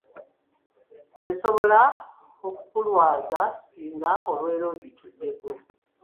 Esoobola okukulwaza singa obeera ogituddeko.